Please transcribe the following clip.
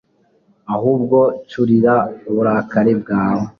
Ahubwo curira uburakari bwawe